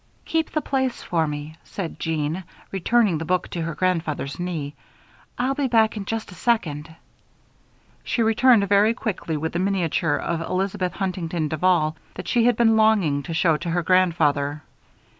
"Keep the place for me," said Jeanne, returning the book to her grandfather's knee. "I'll be back in just a second." She returned very quickly with the miniature of Elizabeth Huntington Duval that she had been longing to show to her grandfather.